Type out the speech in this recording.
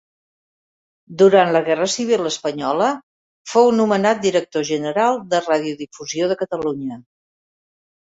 Durant la guerra civil espanyola fou nomenat Director General de Radiodifusió de Catalunya.